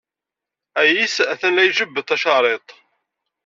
Ayis atan la ijebbed tacariḍt.